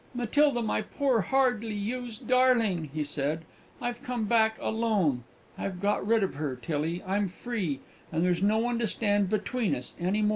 "Matilda, my poor, hardly used darling!" he said, "I've come back alone! I've got rid of her, Tillie! I'm free; and there's no one to stand between us any more!"